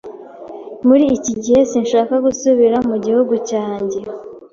Muri iki gihe, sinshaka gusubira mu gihugu cyanjye.